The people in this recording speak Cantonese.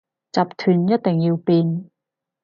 集團一定要變